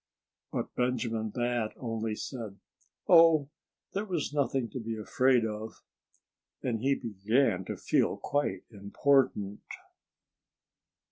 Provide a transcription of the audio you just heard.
But Benjamin Bat only said, "Oh! There was nothing to be afraid of." And he began to feel quite important.